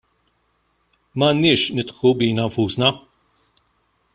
M'għandniex nidħku bina nfusna.